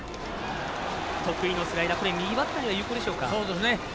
得意のスライダー右バッターには有効でしょうか。